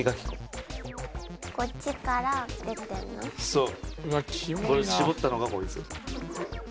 そう。